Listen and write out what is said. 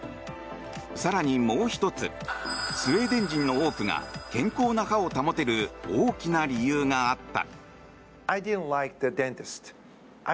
更にもう１つスウェーデン人の多くが健康な歯を保てる大きな理由があった。